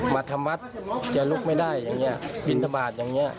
มาทำวัดแกลุกไม่ได้บินทะบาทอย่างนี้